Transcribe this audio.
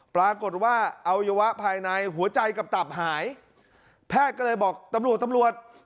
ปรากฏว่าอวัยวะภายในหัวใจกับตับหายแพทย์ก็เลยบอกตำรวจตำรวจ